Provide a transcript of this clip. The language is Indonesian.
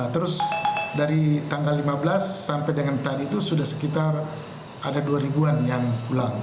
terus dari tanggal lima belas sampai dengan tadi itu sudah sekitar ada dua ribu an yang pulang